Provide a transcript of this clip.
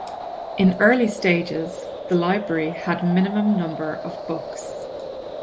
In early stages the library had minimum number of books.